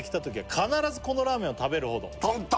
「必ずこのラーメンを食べるほど」豚豚！